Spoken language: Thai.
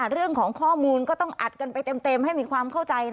เรื่องของข้อมูลก็ต้องอัดกันไปเต็มให้มีความเข้าใจ